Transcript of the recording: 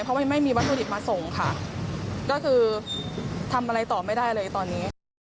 เพราะมันไม่มีวัตถุดิบมาส่งค่ะก็คือทำอะไรต่อไม่ได้เลยตอนนี้